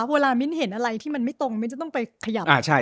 มิ้นเห็นอะไรที่มันไม่ตรงมิ้นจะต้องไปขยับ